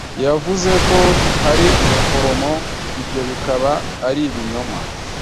Yavuze ko yari umuforomo, ibyo bikaba ari ibinyoma.